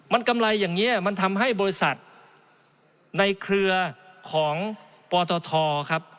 มันกำไรอย่างนี้มันทำให้บริษัทในเครือของปตทครับ